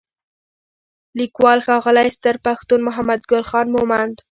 لیکوال: ښاغلی ستر پښتون محمدګل خان مومند